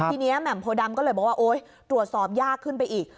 ทีนี้แหม่มโพดำก็เลยบอกว่าโอ๊ยตรวจสอบยากขึ้นไปอีก